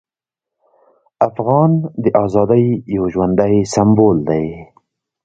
افغان د ازادۍ یو ژوندی سمبول دی.